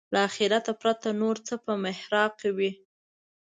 له آخرته پرته نور څه په محراق کې وي.